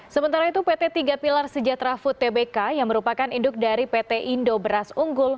sementara itu pt tiga pilar sejahtera food tbk yang merupakan induk dari pt indo beras unggul